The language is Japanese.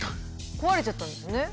壊れちゃったんですね。